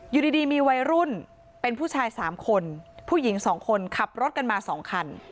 อยู่ดีมีวัยรุ่นเป็นผู้ชาย๓คนผู้หญิง๒คนขับรถกันมา๒คัน